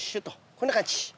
こんな感じ。